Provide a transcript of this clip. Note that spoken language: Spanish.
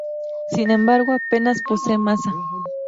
Sin embargo, apenas posee masa.